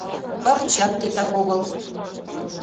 Пырчат титак огыл.